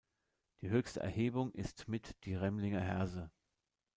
Die höchste Erhebung ist mit die Remlinger Herse.